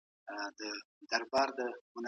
تېرو نژدې پنځوسو کلونو تحولاتو ته وګورو، نو د